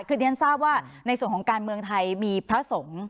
คือเรียนทราบว่าในส่วนของการเมืองไทยมีพระสงฆ์